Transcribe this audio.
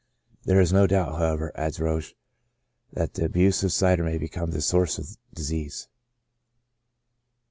There is no doubt, however, adds Roesch, that the abuse of cider may become the source of disease.